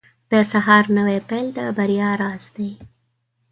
• د سهار نوی پیل د بریا راز دی.